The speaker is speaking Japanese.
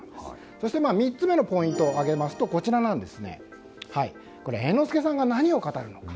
そして、３つ目のポイントを挙げますと猿之助さんが何を語るのか。